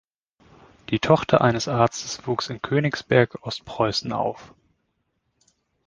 Die Tochter eines Arztes wuchs in Königsberg, Ostpreußen auf.